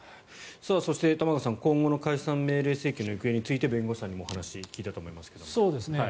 そして、玉川さん今後の解散命令請求の行方について弁護士さんにお話を聞いたと思いますが。